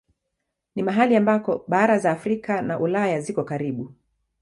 Ni mahali ambako bara za Afrika na Ulaya ziko karibu.